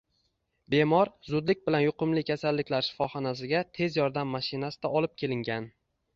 Bemor zudlik bilan yuqumli kasalliklar shifoxonasiga tez yordam mashinasida olib kelingan.